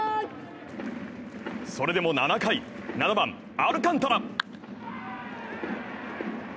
それでも７回、７番・アルカンタラ。